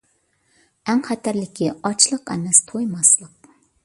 ئەڭ خەتەرلىكى ئاچلىق ئەمەس، تويماسلىق!